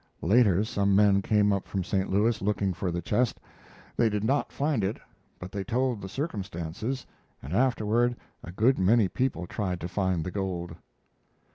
Later some men came up from St. Louis looking for the chest. They did not find it, but they told the circumstances, and afterward a good many people tried to find the gold.